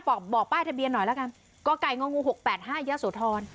บอกบอกป้ายทะเบียนหน่อยแล้วกันก็ไก่งงูหกแปดห้าย้าโสธร